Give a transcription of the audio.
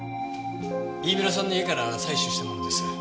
飯村さんの家から採取したものです。